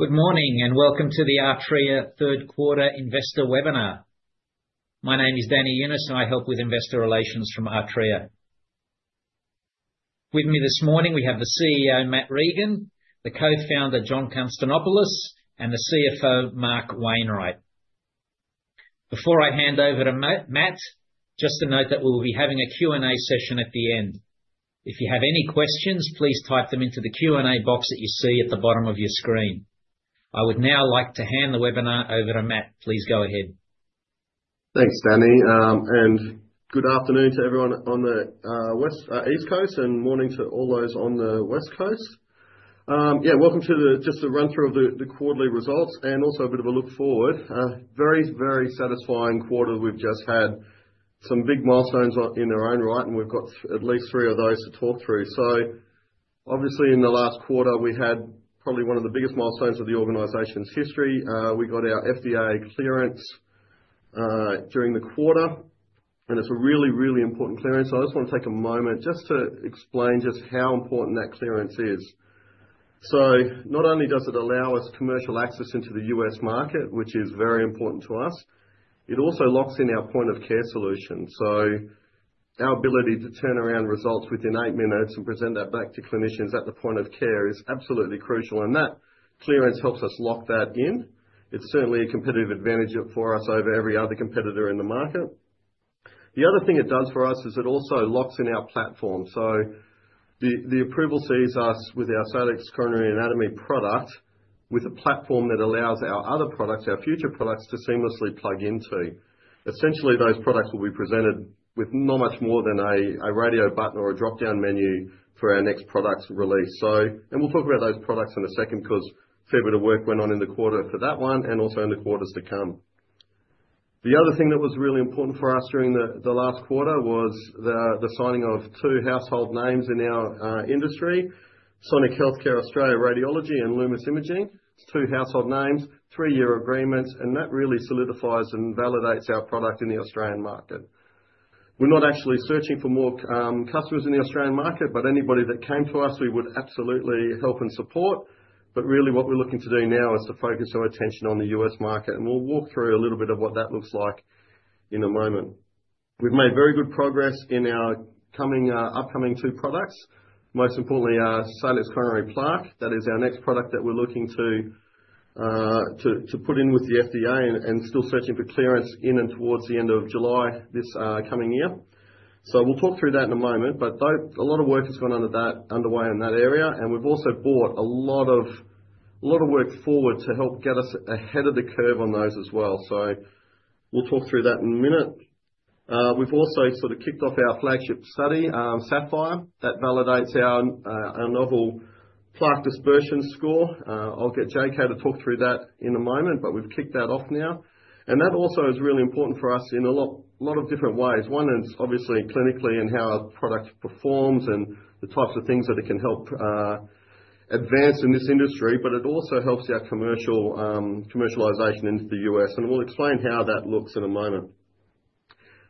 Good morning and welcome to the Artrya third quarter investor webinar. My name is Danny Younis, and I help with Investor Relations from Artrya. With me this morning, we have the CEO, Matt Regan, the co-founder, John Constantinopoulos, and the CFO, Mark Wainwright. Before I hand over to Matt, just to note that we will be having a Q&A session at the end. If you have any questions, please type them into the Q&A box that you see at the bottom of your screen. I would now like to hand the webinar over to Matt. Please go ahead. Thanks, Danny, and good afternoon to everyone on the East Coast and morning to all those on the West Coast. Yeah, welcome to just a run-through of the quarterly results and also a bit of a look forward. Very, very satisfying quarter. We've just had some big milestones in their own right, and we've got at least three of those to talk through. Obviously, in the last quarter, we had probably one of the biggest milestones of the organization's history. We got our FDA clearance during the quarter, and it's a really, really important clearance. So I just want to take a moment just to explain just how important that clearance is. Not only does it allow us commercial access into the U.S. market, which is very important to us, it also locks in our point-of-care solution. So our ability to turn around results within eight minutes and present that back to clinicians at the point of care is absolutely crucial. And that clearance helps us lock that in. It's certainly a competitive advantage for us over every other competitor in the market. The other thing it does for us is it also locks in our platform. So the approval sees us with our Salix Coronary Anatomy product with a platform that allows our other products, our future products, to seamlessly plug into. Essentially, those products will be presented with not much more than a radio button or a drop-down menu for our next product release. And we'll talk about those products in a second because fair bit of work went on in the quarter for that one and also in the quarters to come. The other thing that was really important for us during the last quarter was the signing of two household names in our industry, Sonic Healthcare Australia Radiology and Lumus Imaging. Two household names, three-year agreements, and that really solidifies and validates our product in the Australian market. We're not actually searching for more customers in the Australian market, but anybody that came to us, we would absolutely help and support. But really, what we're looking to do now is to focus our attention on the US market, and we'll walk through a little bit of what that looks like in a moment. We've made very good progress in our upcoming two products. Most importantly, Salix Coronary Plaque, that is our next product that we're looking to put in with the FDA and still seeking clearance in and towards the end of July this coming year. We'll talk through that in a moment, but a lot of work has gone underway in that area, and we've also brought a lot of work forward to help get us ahead of the curve on those as well. We'll talk through that in a minute. We've also sort of kicked off our flagship study, SAPPHIRE, that validates our novel Plaque Dispersion Score. I'll get JK to talk through that in a moment, but we've kicked that off now. That also is really important for us in a lot of different ways. One is obviously clinically and how our product performs and the types of things that it can help advance in this industry, but it also helps our commercialization into the U.S. We'll explain how that looks in a moment.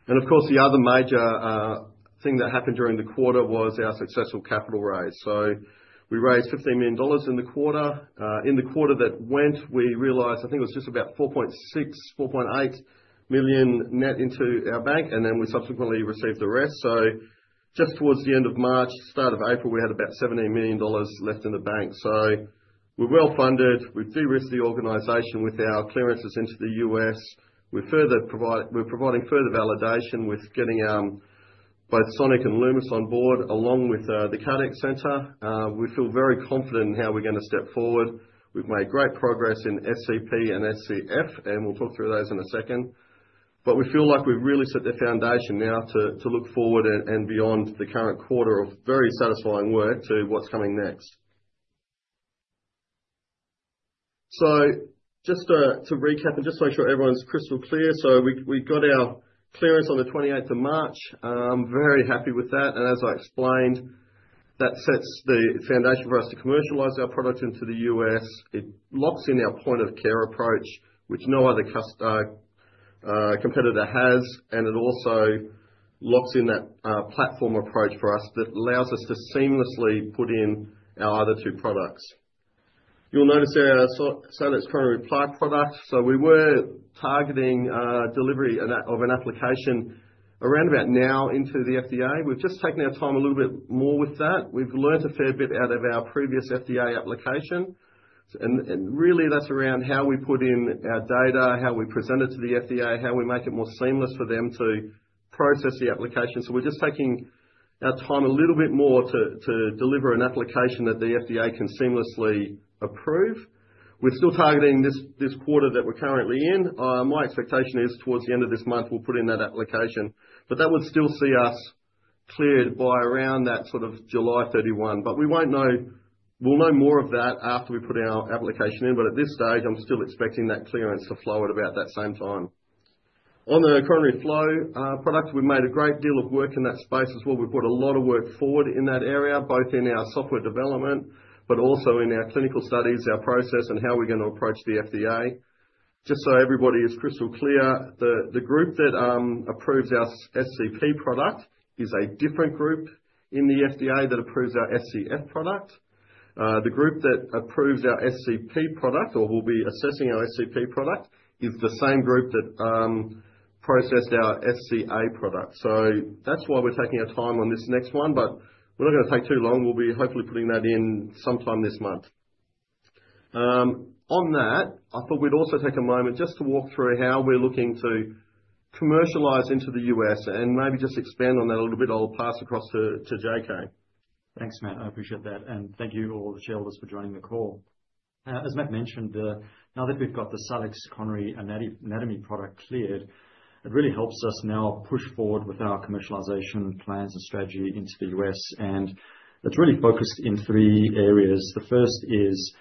Of course, the other major thing that happened during the quarter was our successful capital raise. We raised 15 million dollars in the quarter. In the quarter that went, we realized, I think it was just about 4.6 million-4.8 million net into our bank, and then we subsequently received the rest. Just towards the end of March, start of April, we had about 17 million dollars left in the bank. We're well funded. We've de-risked the organization with our clearances into the U.S. We're providing further validation with getting both Sonic and Lumus on board along with The Cardiac Centre. We feel very confident in how we're going to step forward. We've made great progress in SCP and SCF, and we'll talk through those in a second. But we feel like we've really set the foundation now to look forward and beyond the current quarter of very satisfying work to what's coming next. So just to recap and just make sure everyone's crystal clear. So we got our clearance on the 28th of March. I'm very happy with that. And as I explained, that sets the foundation for us to commercialize our product into the U.S. It locks in our point-of-care approach, which no other competitor has, and it also locks in that platform approach for us that allows us to seamlessly put in our other two products. You'll notice our Salix Coronary Plaque product. So we were targeting delivery of an application around about now into the FDA. We've just taken our time a little bit more with that. We've learned a fair bit out of our previous FDA application. Really, that's around how we put in our data, how we present it to the FDA, how we make it more seamless for them to process the application. We're just taking our time a little bit more to deliver an application that the FDA can seamlessly approve. We're still targeting this quarter that we're currently in. My expectation is towards the end of this month, we'll put in that application. That would still see us cleared by around that sort of July 31. We won't know. We'll know more of that after we put in our application in. At this stage, I'm still expecting that clearance to flow at about that same time. On the coronary flow product, we've made a great deal of work in that space as well. We've put a lot of work forward in that area, both in our software development, but also in our clinical studies, our process, and how we're going to approach the FDA. Just so everybody is crystal clear, the group that approves our SCP product is a different group in the FDA that approves our SCF product. The group that approves our SCP product or will be assessing our SCP product is the same group that processed our SCA product. So that's why we're taking our time on this next one, but we're not going to take too long. We'll be hopefully putting that in sometime this month. On that, I thought we'd also take a moment just to walk through how we're looking to commercialize into the US and maybe just expand on that a little bit. I'll pass across to JK. Thanks, Matt. I appreciate that and thank you all, the shareholders, for joining the call. As Matt mentioned, now that we've got the Salix Coronary Anatomy product cleared, it really helps us now push forward with our commercialization plans and strategy into the U.S., and it's really focused in three areas. The first is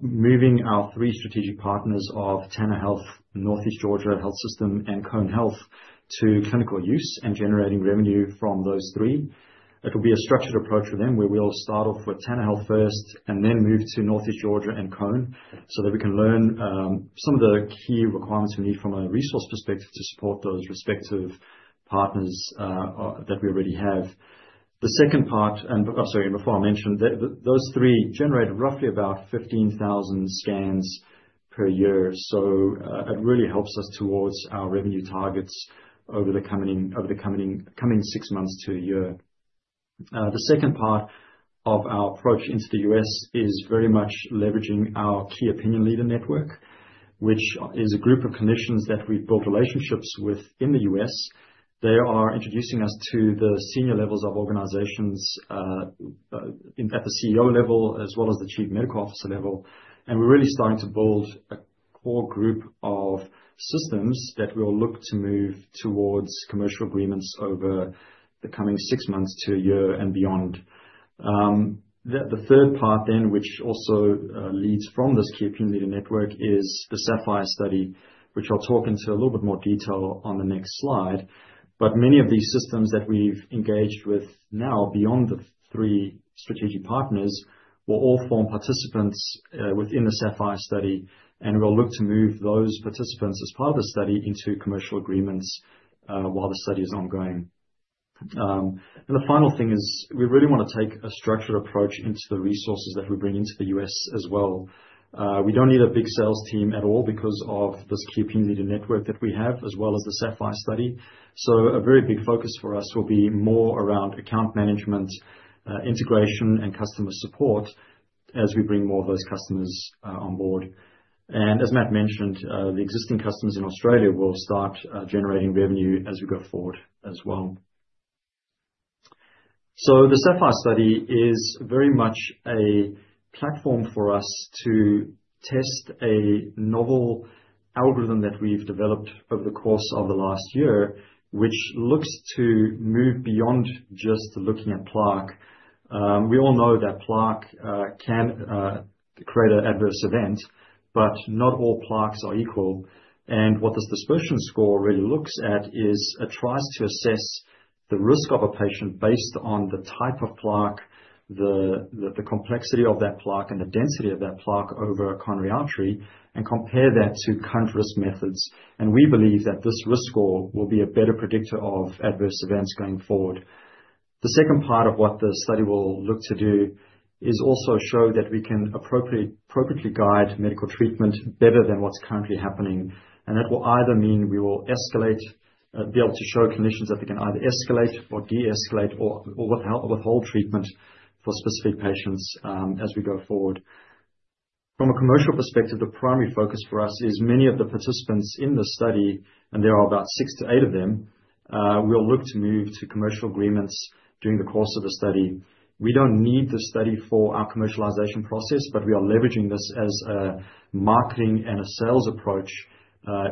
moving our three strategic partners of Tanner Health, Northeast Georgia Health System, and Cone Health to clinical use and generating revenue from those three. It will be a structured approach for them where we'll start off with Tanner Health first and then move to Northeast Georgia and Cone so that we can learn some of the key requirements we need from a resource perspective to support those respective partners that we already have. The second part, and sorry, before I mentioned, those three generate roughly about 15,000 scans per year. So it really helps us towards our revenue targets over the coming six months to a year. The second part of our approach into the U.S. is very much leveraging our key opinion leader network, which is a group of clinicians that we've built relationships with in the U.S. They are introducing us to the senior levels of organizations at the CEO level as well as the Chief Medical Officer level. And we're really starting to build a core group of systems that we'll look to move towards commercial agreements over the coming six months to a year and beyond. The third part then, which also leads from this key opinion leader network, is the SAPPHIRE study, which I'll talk into a little bit more detail on the next slide. But many of these systems that we've engaged with now beyond the three strategic partners will all form participants within the SAPPHIRE study, and we'll look to move those participants as part of the study into commercial agreements while the study is ongoing. And the final thing is we really want to take a structured approach into the resources that we bring into the U.S. as well. We don't need a big sales team at all because of this key opinion leader network that we have, as well as the SAPPHIRE study. So a very big focus for us will be more around account management, integration, and customer support as we bring more of those customers on board. And as Matt mentioned, the existing customers in Australia will start generating revenue as we go forward as well. So the SAPPHIRE study is very much a platform for us to test a novel algorithm that we've developed over the course of the last year, which looks to move beyond just looking at plaque. We all know that plaque can create an adverse event, but not all plaques are equal. And what this dispersion score really looks at is it tries to assess the risk of a patient based on the type of plaque, the complexity of that plaque, and the density of that plaque over coronary artery, and compare that to current risk methods. And we believe that this risk score will be a better predictor of adverse events going forward. The second part of what the study will look to do is also show that we can appropriately guide medical treatment better than what's currently happening. And that will either mean we will be able to show clinicians that they can either escalate or de-escalate or withhold treatment for specific patients as we go forward. From a commercial perspective, the primary focus for us is many of the participants in the study, and there are about six to eight of them. We'll look to move to commercial agreements during the course of the study. We don't need the study for our commercialization process, but we are leveraging this as a marketing and a sales approach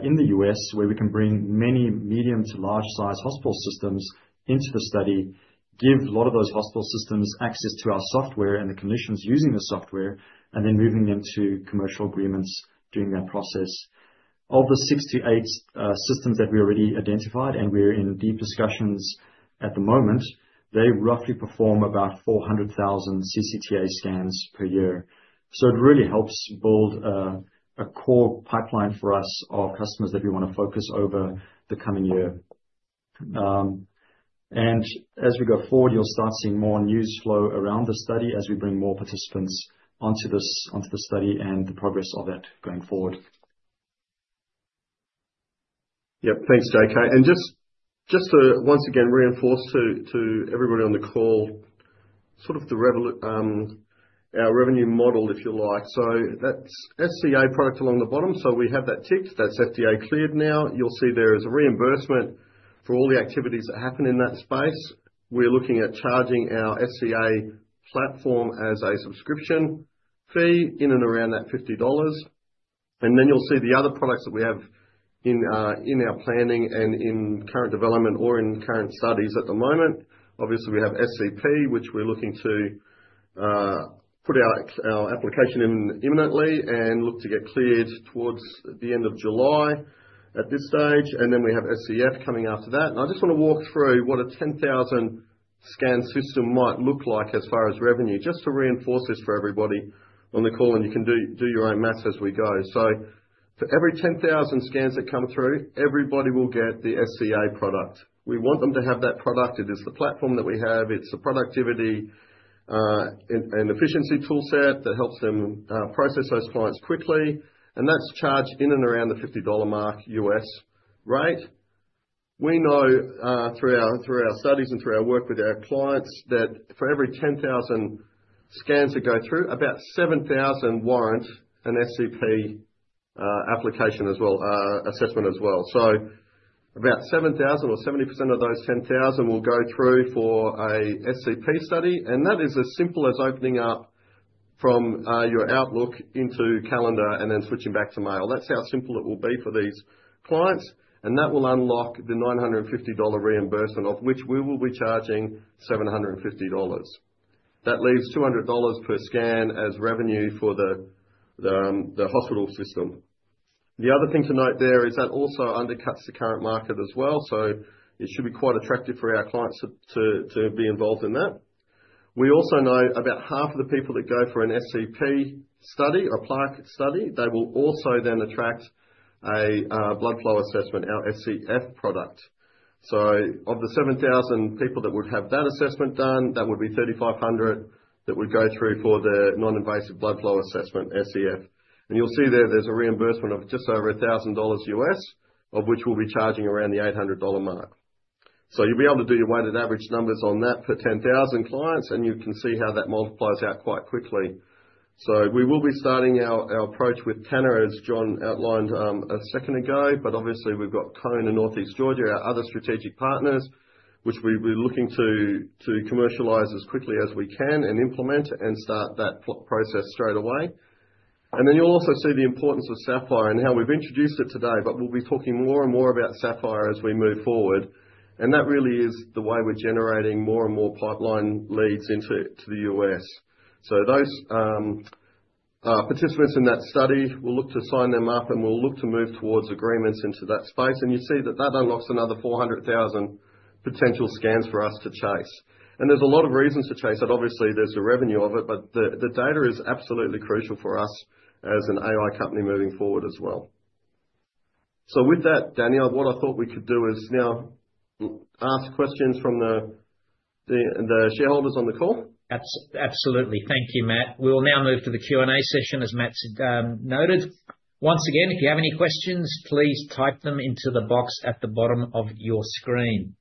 in the U.S. where we can bring many medium to large-sized hospital systems into the study, give a lot of those hospital systems access to our software and the clinicians using the software, and then moving them to commercial agreements during that process. Of the six to eight systems that we already identified and we're in deep discussions at the moment, they roughly perform about 400,000 CCTA scans per year, so it really helps build a core pipeline for us of customers that we want to focus over the coming year. As we go forward, you'll start seeing more news flow around the study as we bring more participants onto the study and the progress of it going forward. Yep. Thanks, JK. And just once again, reinforce to everybody on the call sort of our revenue model, if you like. So that's SCA product along the bottom. So we have that ticked. That's FDA cleared now. You'll see there is a reimbursement for all the activities that happen in that space. We're looking at charging our SCA platform as a subscription fee in and around that $50. And then you'll see the other products that we have in our planning and in current development or in current studies at the moment. Obviously, we have SCP, which we're looking to put our application in imminently and look to get cleared towards the end of July at this stage. And then we have SCF coming after that. I just want to walk through what a 10,000 scan system might look like as far as revenue, just to reinforce this for everybody on the call, and you can do your own math as we go. So for every 10,000 scans that come through, everybody will get the SCA product. We want them to have that product. It is the platform that we have. It's a productivity and efficiency toolset that helps them process those clients quickly. And that's charged in and around the $50 mark USD rate. We know through our studies and through our work with our clients that for every 10,000 scans that go through, about 7,000 warrant an SCP assessment as well. So about 7,000 or 70% of those 10,000 will go through for an SCP study. And that is as simple as opening up from your Outlook into Calendar and then switching back to mail. That's how simple it will be for these clients. And that will unlock the $950 reimbursement, of which we will be charging $750. That leaves $200 per scan as revenue for the hospital system. The other thing to note there is that also undercuts the current market as well. So it should be quite attractive for our clients to be involved in that. We also know about half of the people that go for an SCP study or plaque study. They will also then attract a blood flow assessment, our SCF product. So of the 7,000 people that would have that assessment done, that would be 3,500 that would go through for the non-invasive blood flow assessment, SCF. And you'll see there there's a reimbursement of just over $1,000 U.S., of which we'll be charging around the $800 mark. So you'll be able to do your weighted average numbers on that per 10,000 clients, and you can see how that multiplies out quite quickly. So we will be starting our approach with Tanner, as John outlined a second ago. But obviously, we've got Cone and Northeast Georgia, our other strategic partners, which we'll be looking to commercialize as quickly as we can and implement and start that process straight away. And then you'll also see the importance of SAPPHIRE and how we've introduced it today, but we'll be talking more and more about SAPPHIRE as we move forward. And that really is the way we're generating more and more pipeline leads into the U.S. So those participants in that study, we'll look to sign them up, and we'll look to move towards agreements into that space. And you see that that unlocks another 400,000 potential scans for us to chase. And there's a lot of reasons to chase it. Obviously, there's the revenue of it, but the data is absolutely crucial for us as an AI company moving forward as well. So with that, Danny, what I thought we could do is now ask questions from the shareholders on the call. Absolutely. Thank you, Matt. We will now move to the Q&A session, as Matt's noted. Once again, if you have any questions, please type them into the box at the bottom of your screen.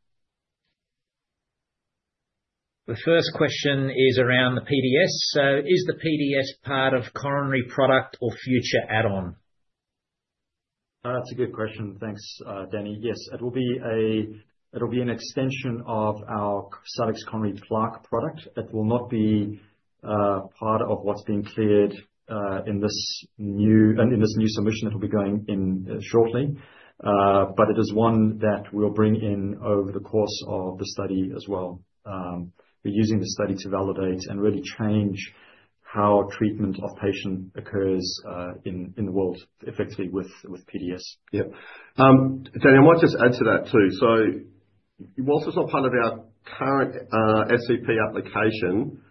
The first question is around the PDS. So is the PDS part of coronary product or future add-on? That's a good question. Thanks, Danny. Yes, it will be an extension of our Salix Coronary Plaque product. It will not be part of what's being cleared in this new submission that will be going in shortly, but it is one that we'll bring in over the course of the study as well. We're using the study to validate and really change how treatment of patients occurs in the world, effectively with PDS. Yep. Daniel, I might just add to that too. So while it's not part of our current SCP application,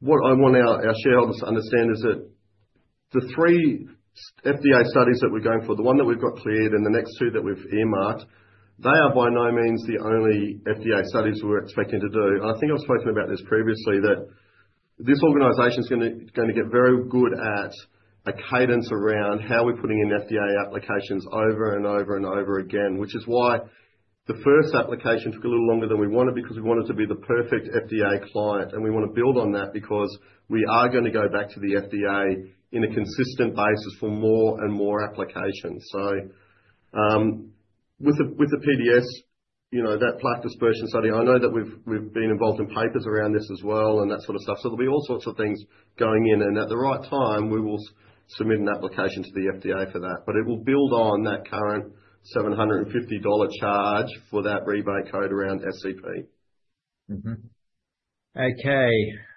what I want our shareholders to understand is that the three FDA studies that we're going for, the one that we've got cleared and the next two that we've earmarked, they are by no means the only FDA studies we're expecting to do. And I think I've spoken about this previously, that this organization is going to get very good at a cadence around how we're putting in FDA applications over and over and over again, which is why the first application took a little longer than we wanted because we wanted to be the perfect FDA client. And we want to build on that because we are going to go back to the FDA on a consistent basis for more and more applications. With the PDS, that plaque dispersion study, I know that we've been involved in papers around this as well and that sort of stuff. There'll be all sorts of things going in. At the right time, we will submit an application to the FDA for that. It will build on that current $750 charge for that rebate code around SCP. Okay.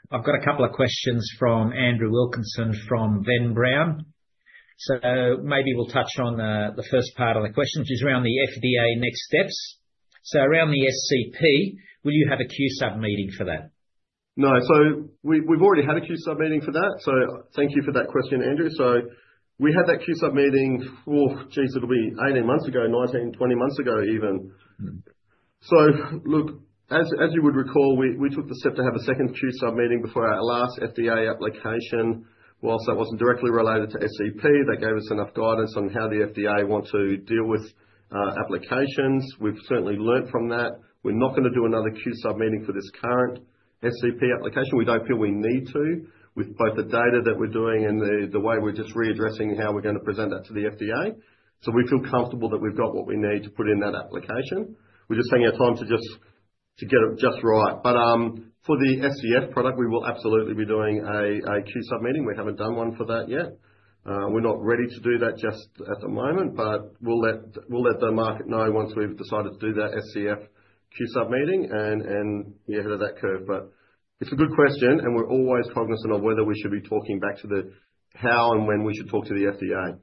I've got a couple of questions from Andrew Wilkinson from Venn Brown. So maybe we'll touch on the first part of the question, which is around the FDA next steps. So around the SCP, will you have a Q-Sub meeting for that? No. So we've already had a Q-Sub meeting for that. So thank you for that question, Andrew. So we had that Q-Sub meeting for, geez, it'll be 18 months ago, 19, 20 months ago even. So look, as you would recall, we took the step to have a second Q-Sub meeting before our last FDA application while that wasn't directly related to SCP. That gave us enough guidance on how the FDA wants to deal with applications. We've certainly learned from that. We're not going to do another Q-Sub meeting for this current SCP application. We don't feel we need to with both the data that we're doing and the way we're just readdressing how we're going to present that to the FDA. So we feel comfortable that we've got what we need to put in that application. We're just taking our time to get it just right. But for the SCF product, we will absolutely be doing a Q-Sub meeting. We haven't done one for that yet. We're not ready to do that just at the moment, but we'll let the market know once we've decided to do that SCF Q-Sub meeting and be ahead of that curve. But it's a good question, and we're always cognizant of whether we should be talking back to the how and when we should talk to the FDA.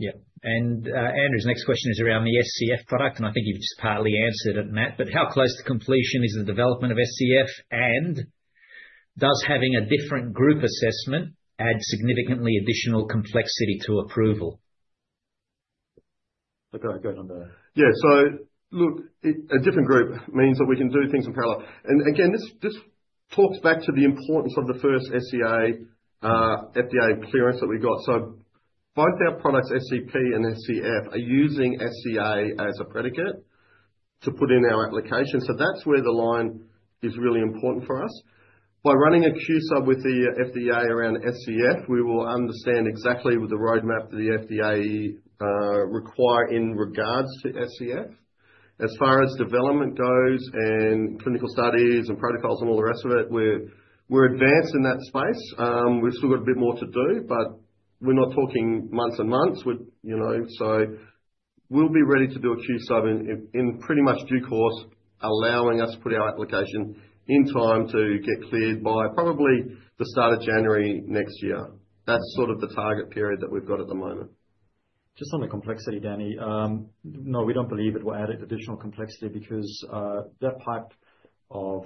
Yep. And Andrew's next question is around the SCF product, and I think you've just partly answered it, Matt. But how close to completion is the development of SCF? And does having a different group assessment add significantly additional complexity to approval? Okay. I'll go on there. Yeah. So look, a different group means that we can do things in parallel. And again, this talks back to the importance of the first SCA FDA clearance that we got. So both our products, SCP and SCF, are using SCA as a predicate to put in our application. So that's where the line is really important for us. By running a Q-Sub with the FDA around SCF, we will understand exactly the roadmap that the FDA requires in regards to SCF. As far as development goes and clinical studies and protocols and all the rest of it, we're advanced in that space. We've still got a bit more to do, but we're not talking months and months. We'll be ready to do a Q-Sub in pretty much due course, allowing us to put our application in time to get cleared by probably the start of January next year. That's sort of the target period that we've got at the moment. Just on the complexity, Danny, no, we don't believe it will add additional complexity because that type of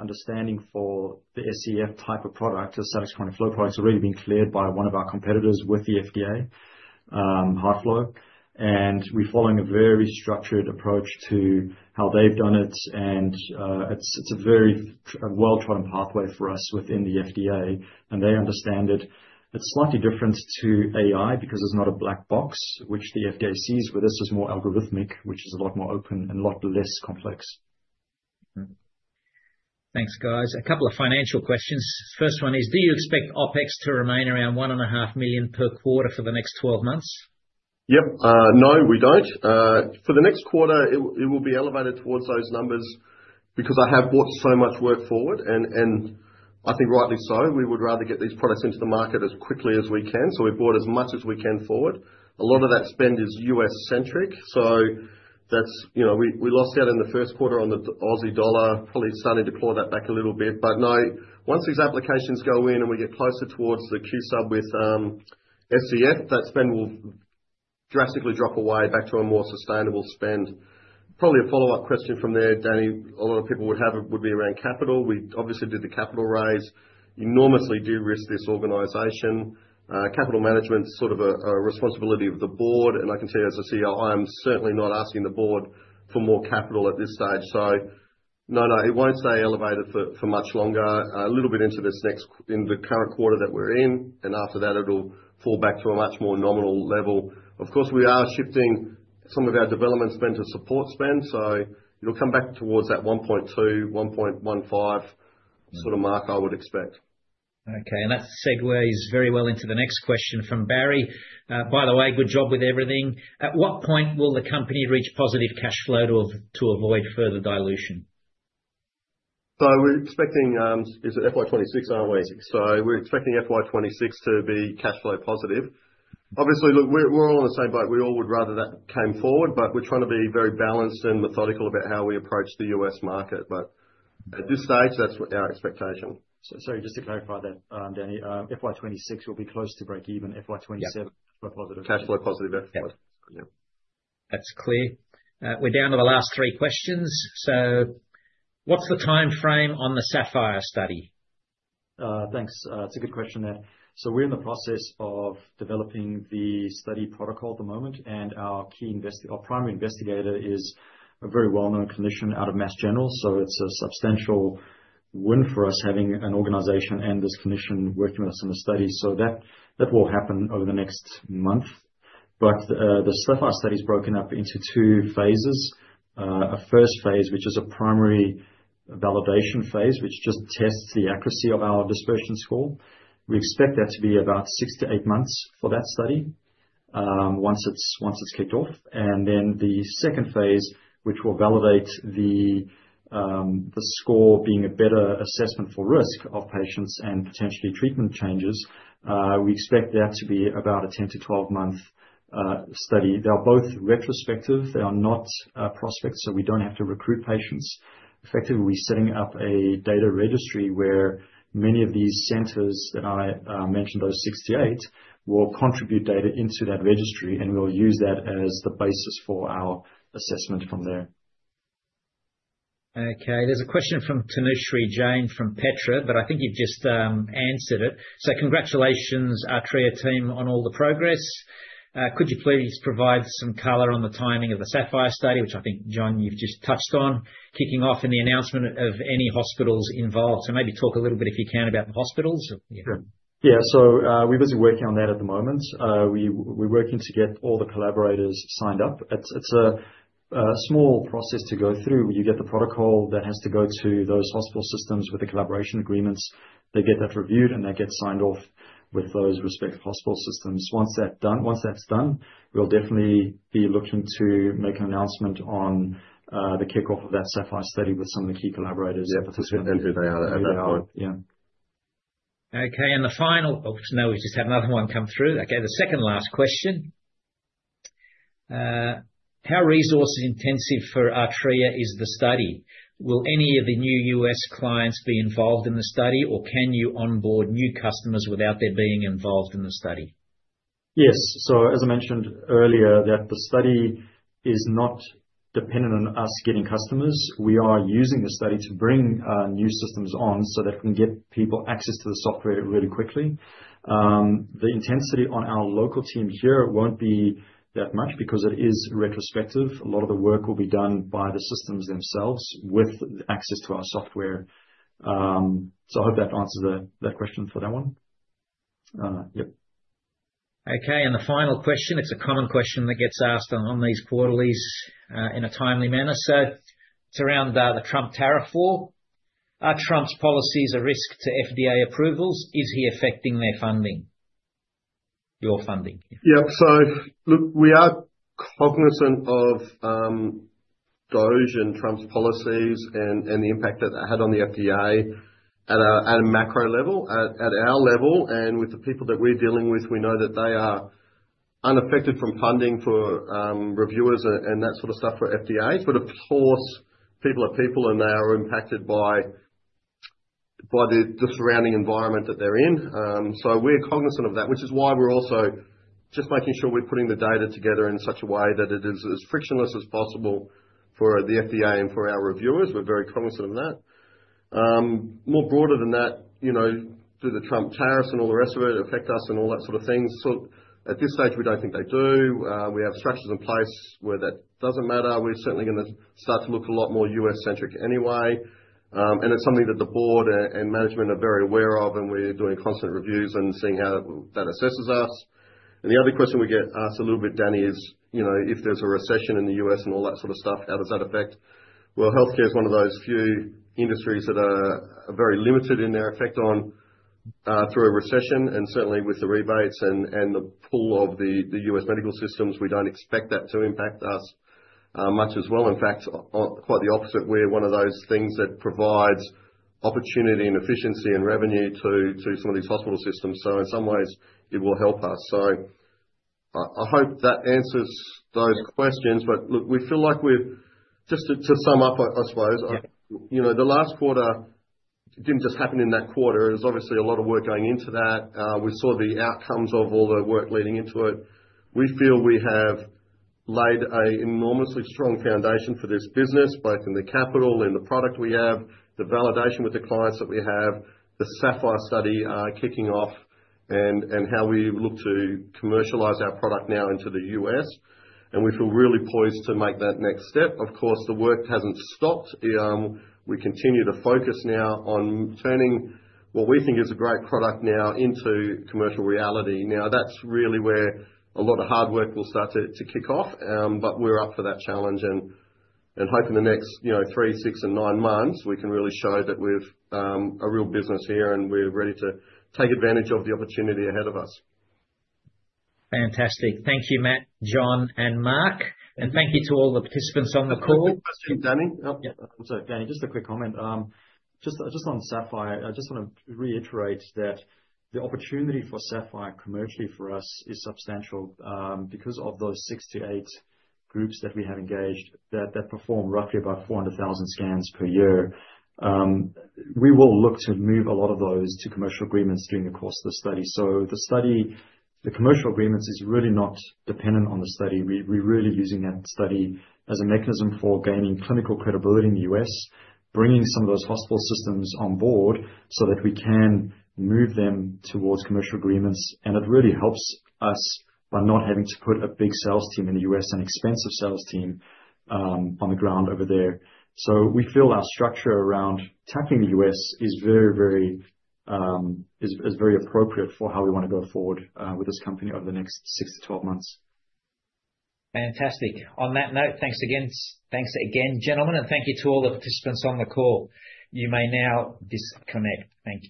understanding for the SCF type of product, the Salix Coronary Flow products, has already been cleared by one of our competitors with the FDA, HeartFlow, and we're following a very structured approach to how they've done it, and it's a very well-trodden pathway for us within the FDA, and they understand it. It's slightly different to AI because it's not a black box, which the FDA sees, where this is more algorithmic, which is a lot more open and a lot less complex. Thanks, guys. A couple of financial questions. First one is, do you expect OpEx to remain around 1.5 million per quarter for the next 12 months? Yep. No, we don't. For the next quarter, it will be elevated towards those numbers because I have brought so much work forward, and I think rightly so. We would rather get these products into the market as quickly as we can. So we've brought as much as we can forward. A lot of that spend is US-centric. So we lost out in the first quarter on the Aussie dollar, probably starting to deploy that back a little bit. But no, once these applications go in and we get closer towards the Q-Sub with SCF, that spend will drastically drop away back to a more sustainable spend. Probably a follow-up question from there, Danny. A lot of people would be around capital. We obviously did the capital raise. Enormously de-risk this organization. Capital management is sort of a responsibility of the board. I can tell you, as CEO, I am certainly not asking the board for more capital at this stage. So no, no, it won't stay elevated for much longer. A little bit into this next in the current quarter that we're in, and after that, it'll fall back to a much more nominal level. Of course, we are shifting some of our development spend to support spend. So it'll come back towards that 1.2, 1.15 sort of mark I would expect. Okay. And that segues very well into the next question from Barry. By the way, good job with everything. At what point will the company reach positive cash flow to avoid further dilution? We're expecting it's FY 2026, aren't we? We're expecting FY 2026 to be cash flow positive. Obviously, look, we're all on the same boat. We all would rather that came forward, but we're trying to be very balanced and methodical about how we approach the U.S. market. But at this stage, that's our expectation. So just to clarify that, Danny, FY 2026 will be close to break even, FY 2027 cash flow positive. Cash flow positive, FY 2027. That's clear. We're down to the last three questions. So what's the timeframe on the SAPPHIRE study? Thanks. It's a good question there. We're in the process of developing the study protocol at the moment. Our key investigator, our primary investigator, is a very well-known clinician out of Mass General. It's a substantial win for us having an organization and this clinician working on some of the studies. That will happen over the next month. The SAPPHIRE study is broken up into two phases. A first phase, which is a primary validation phase, which just tests the accuracy of our dispersion score. We expect that to be about six-to-eight months for that study once it's kicked off. Then the second phase, which will validate the score being a better assessment for risk of patients and potentially treatment changes. We expect that to be about a 10-to-12-month study. They're both retrospective. They are not prospects, so we don't have to recruit patients. Effectively, we're setting up a data registry where many of these centers that I mentioned, those 68, will contribute data into that registry, and we'll use that as the basis for our assessment from there. Okay. There's a question from Tanushree Jain from Petra, but I think you've just answered it. So congratulations, Artrya team, on all the progress. Could you please provide some color on the timing of the SAPPHIRE study, which I think, John, you've just touched on, kicking off and the announcement of any hospitals involved? So maybe talk a little bit, if you can, about the hospitals. Yeah, so we're busy working on that at the moment. We're working to get all the collaborators signed up. It's a small process to go through. You get the protocol that has to go to those hospital systems with the collaboration agreements. They get that reviewed, and they get signed off with those respective hospital systems. Once that's done, we'll definitely be looking to make an announcement on the kickoff of that SAPPHIRE study with some of the key collaborators. Yeah, because we'll know who they are at that point. Yeah. Okay. And the final, oh, no, we just had another one come through. Okay. The second last question. How resource-intensive for Artrya is the study? Will any of the new U.S. clients be involved in the study, or can you onboard new customers without there being involved in the study? Yes. So as I mentioned earlier, the study is not dependent on us getting customers. We are using the study to bring new systems on so that we can get people access to the software really quickly. The intensity on our local team here won't be that much because it is retrospective. A lot of the work will be done by the systems themselves with access to our software. So I hope that answers that question for that one. Yep. Okay. And the final question. It's a common question that gets asked on these quarterlies in a timely manner. So it's around the Trump tariff war. Are Trump's policies a risk to FDA approvals? Is he affecting their funding, your funding? Yep. So look, we are cognizant of those and Trump's policies and the impact that that had on the FDA at a macro level, at our level, and with the people that we're dealing with, we know that they are unaffected from funding for reviewers and that sort of stuff for FDA, but of course, people are people, and they are impacted by the surrounding environment that they're in, so we're cognizant of that, which is why we're also just making sure we're putting the data together in such a way that it is as frictionless as possible for the FDA and for our reviewers. We're very cognizant of that. More broader than that, do the Trump tariffs and all the rest of it affect us and all that sort of thing? So at this stage, we don't think they do. We have structures in place where that doesn't matter. We're certainly going to start to look a lot more U.S.-centric anyway. And it's something that the board and management are very aware of, and we're doing constant reviews and seeing how that assesses us. And the other question we get asked a little bit, Danny, is if there's a recession in the U.S. and all that sort of stuff, how does that affect? Well, healthcare is one of those few industries that are very limited in their effect through a recession. And certainly, with the rebates and the pull of the U.S. medical systems, we don't expect that to impact us much as well. In fact, quite the opposite. We're one of those things that provides opportunity and efficiency and revenue to some of these hospital systems. So in some ways, it will help us. So I hope that answers those questions. But look, we feel like we're just, to sum up, I suppose, the last quarter didn't just happen in that quarter. There's obviously a lot of work going into that. We saw the outcomes of all the work leading into it. We feel we have laid an enormously strong foundation for this business, both in the capital and the product we have, the validation with the clients that we have, the SAPPHIRE study kicking off, and how we look to commercialize our product now into the U.S. And we feel really poised to make that next step. Of course, the work hasn't stopped. We continue to focus now on turning what we think is a great product now into commercial reality. Now, that's really where a lot of hard work will start to kick off. But we're up for that challenge. Hoping the next three, six, and nine months, we can really show that we've a real business here and we're ready to take advantage of the opportunity ahead of us. Fantastic. Thank you, Matt, John, and Mark. And thank you to all the participants on the call. Quick question, Danny. I'm sorry, Danny. Just a quick comment. Just on SAPPHIRE, I just want to reiterate that the opportunity for SAPPHIRE commercially for us is substantial because of those six to eight groups that we have engaged that perform roughly about 400,000 scans per year. We will look to move a lot of those to commercial agreements during the course of the study. So the study, the commercial agreements, is really not dependent on the study. We're really using that study as a mechanism for gaining clinical credibility in the US, bringing some of those hospital systems on board so that we can move them towards commercial agreements, and it really helps us by not having to put a big sales team in the US, an expensive sales team on the ground over there. We feel our structure around tackling the U.S. is very appropriate for how we want to go forward with this company over the next six to 12 months. Fantastic. On that note, thanks again. Thanks again, gentlemen. And thank you to all the participants on the call. You may now disconnect. Thank you.